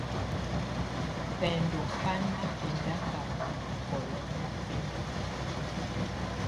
Bɛndɔ̀ bà nà kɛndaka ù makɔlɔ̀ niɔfɛna.